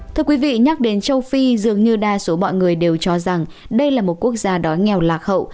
thưa quý vị nhắc đến châu phi dường như đa số mọi người đều cho rằng đây là một quốc gia đói nghèo lạc hậu